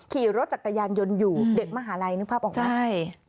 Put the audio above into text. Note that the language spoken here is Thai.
ขี่รถจักรยานยนต์อยู่เด็กมหาลัยนึกภาพออกไหม